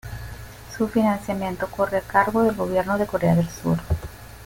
Su financiamiento corre a cargo del Gobierno de Corea del Sur.